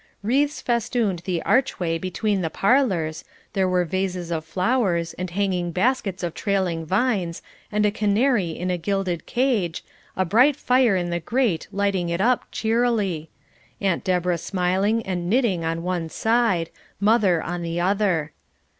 Wreaths festooned the archway between the parlours, there were vases of flowers, and hanging baskets of trailing vines, and a canary in a gilded cage, a bright fire in the grate lighting it up cheerily; Aunt Deborah smiling and knitting on one side, "mother" on the other.